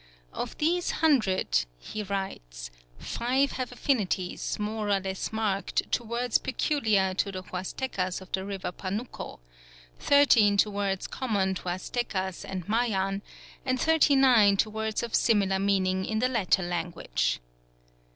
"Of these hundred," he writes, "five have affinities, more or less marked, to words peculiar to the Huastecas of the River Panuco; thirteen to words common to Huastecas and Mayan; and thirty nine to words of similar meaning in the latter language."